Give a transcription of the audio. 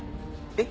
えっ？